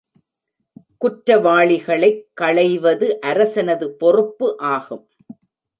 குற்றவாளிகளைக் களைவது அரசனது பொறுப்பு ஆகும்.